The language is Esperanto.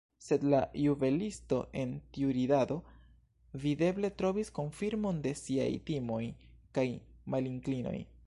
Sed la juvelisto en tiu ridado videble trovis konfirmon de siaj timoj kaj malinklinoj.